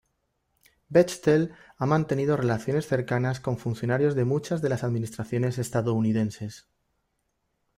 Bechtel ha mantenido relaciones cercanas con funcionarios de muchas de las administraciones estadounidenses.